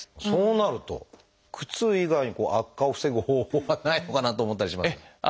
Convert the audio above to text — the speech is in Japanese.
そうなると靴以外に悪化を防ぐ方法はないのかなと思ったりしますが。